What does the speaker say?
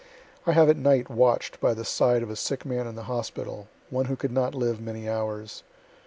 I have at night watch'd by the side of a sick man in the hospital, one who could not live many hours.